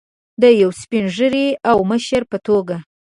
د یو سپین ږیري او مشر په توګه.